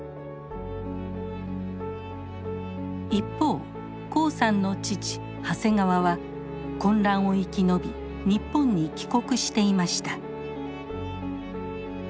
一方黄さんの父長谷川は混乱を生き延び日本に帰国していました。